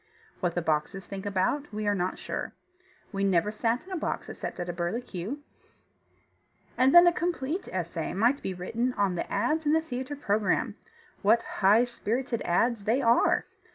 What the boxes think about we are not sure. We never sat in a box except at a burlicue. And then a complete essay might be written on the ads in the theatre program what high spirited ads they are!